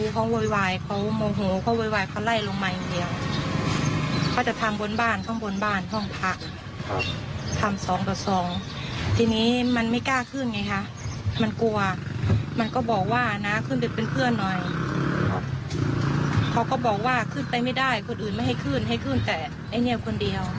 ภายคนอื่นไม่ให้ขึ้นให้ขึ้นแต่ไอเนียมคนเดียว